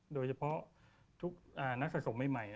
โดยเฉพาะนักแศสสมใหม่เนี่ย